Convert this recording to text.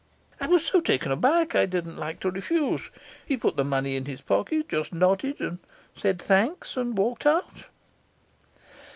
"I was so taken aback. I didn't like to refuse. He put the money in his pocket, just nodded, said 'Thanks,' and walked out."